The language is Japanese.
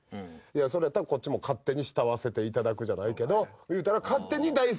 それやったらこっちも勝手に慕わせていただくじゃないけどいうたら。